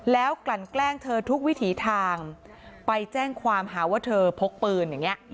แล้วกลั่นแกล้งเธอทุกวิถีทางไปแจ้งความหาว่าเธอพกปืนอย่างนี้